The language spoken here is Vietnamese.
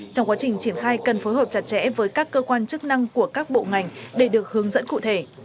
trong quá trình triển khai cần phối hợp chặt chẽ với các cơ quan chức năng của các bộ ngành để được hướng dẫn cụ thể